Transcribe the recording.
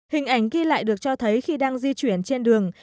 hình ảnh ghi lại được cho thấy khi đang di chuyển trên đường